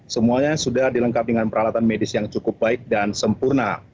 semuanya sudah dilengkapi dengan peralatan medis yang cukup baik dan sempurna